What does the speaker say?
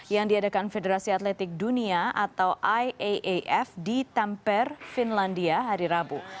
yang diadakan federasi atletik dunia atau iaaf di temper finlandia hari rabu